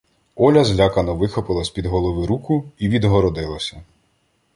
Оля злякано вихопила з-під голови руку і відгородилася.